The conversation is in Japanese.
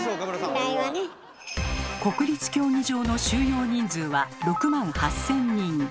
新国立競技場の収容人数は６万８，０００人。